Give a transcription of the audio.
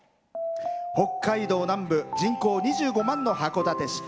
北海道南部人口２５万人の町の函館市。